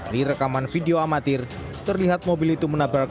di rekaman video amatir terlihat mobil itu menabrak